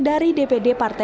dari dpd partai amarantia